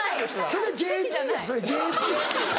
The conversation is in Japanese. それＪＰやそれＪＰ。